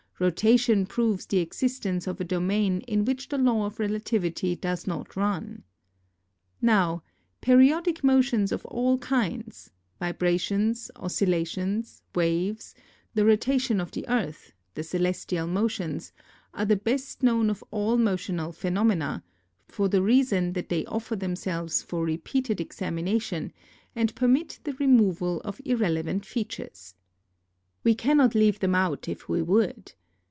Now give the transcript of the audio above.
Rotation proves the existence of a domain in which the law of relativity does not run. Now, periodic motions of all kinds, vibrations, oscillations, waves, the rotation of the Earth, the celestial motions, are the best known of all motional phenomena, for the reason that they offer themselves for repeated examination and permit the removal of irrelevant features. We cannot leave them out if we would.